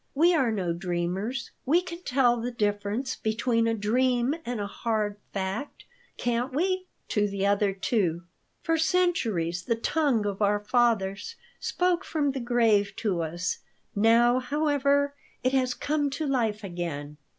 We are no dreamers. We can tell the difference between a dream and a hard fact, can't we?" to the other two. "For centuries the tongue of our fathers spoke from the grave to us. Now, however, it has come to life again."